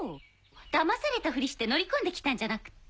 だまされたふりして乗り込んできたんじゃなくって？